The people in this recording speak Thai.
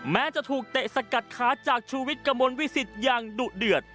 แม้จะถูกเตะสกัดขาจากชูวิทย์กระมวลวิสิตอย่างดุเดือด